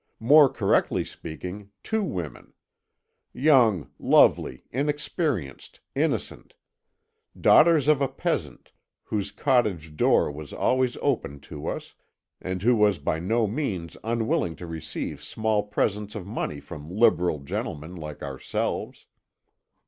More correctly speaking, two women. Young, lovely, inexperienced, innocent. Daughters of a peasant, whose cottage door was always open to us, and who was by no means unwilling to receive small presents of money from liberal gentlemen like ourselves.